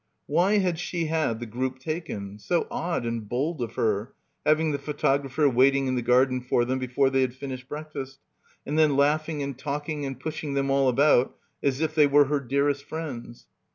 Why had she had the group taken — so odd and bold of her, having the photographer waiting in the garden for them before Aey had finished breakfast, and then laughing and talking and pushing them all — 231 — PILGRIMAGE about as if they were her dearest friends.